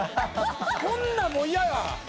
こんなんもう嫌や。